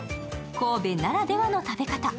神戸ならではの食べ方。